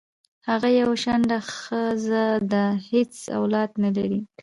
هغه یوه شنډه خځه ده حیڅ اولاد نه لری